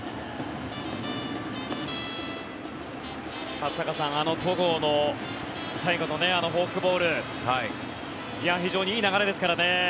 松坂さん戸郷の最後のフォークボール非常にいい流れですからね。